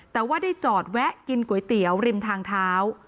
แต่ว่าได้จอดแวะกินก๋วยเตี๋ยวริมทางเท้า